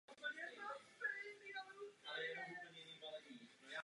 Severním směrem nedaleko od vesnice protéká vodní tok Nachal Alexander.